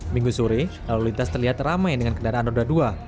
minggu sore lalu lintas terlihat ramai dengan kendaraan roda dua